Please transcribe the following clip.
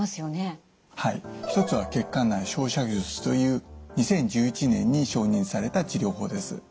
一つは血管内焼灼術という２０１１年に承認された治療法です。